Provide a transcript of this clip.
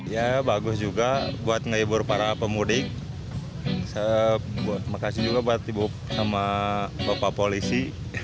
ya bagus juga buat menghibur para pemudik terima kasih juga buat ibu sama bapak polisi